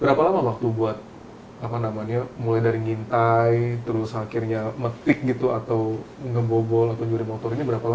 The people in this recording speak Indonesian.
berapa lama waktu buat apa namanya mulai dari ngintai terus akhirnya metik gitu atau ngebobol atau nyuri motornya berapa lama